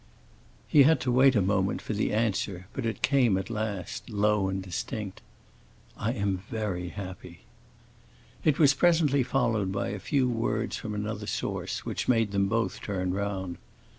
He had to wait a moment for the answer; but it came at last, low yet distinct: "I am very happy." It was presently followed by a few words from another source, which made them both turn round.